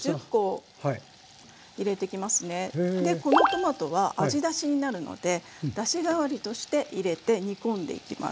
でこのトマトは味だしになるのでだし代わりとして入れて煮込んでいきます。